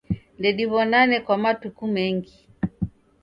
Ndediw'onane kwa matuku mengi.